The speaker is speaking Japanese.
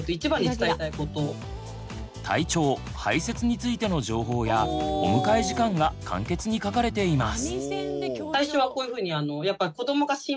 体調排せつについての情報やお迎え時間が簡潔に書かれています。